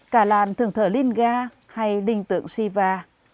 cả làn thường thờ linh ga hay đình tượng siva